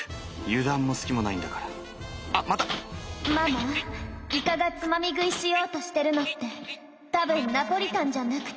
ママイカがつまみ食いしようとしてるのって多分ナポリタンじゃなくてアタシたちだよ。